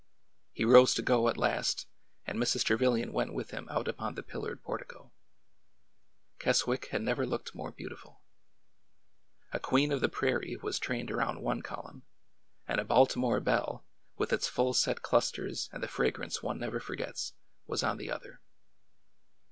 He rose to go at last, and Mrs. Trevilian went with him out upon the pillared portico. Keswick had never looked more beautiful. A " queen of the prairie " was trained around one column, and a " Baltimore belle," with its full set clusters and the fragrance one never forgets, was on the other.